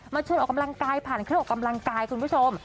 ชวนออกกำลังกายผ่านเครื่องออกกำลังกายคุณผู้ชม